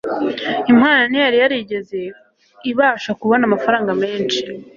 impano ntiyari yarigeze ibasha kubona amafaranga menshi